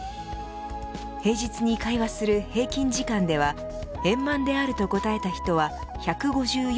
平日に会話する平均時間では円満であると答えた人は１５４分。